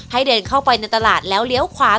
เดินเข้าไปในตลาดแล้วเลี้ยวขวา